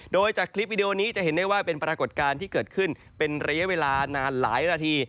โดยจากคลิปวิดีโอนี้จะเห็นได้ว่าเป็นปรากฏการณ์ที่เกิดขึ้นเป็นระยะเวลานานหลายนาที